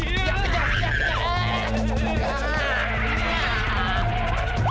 kejar kejar kejar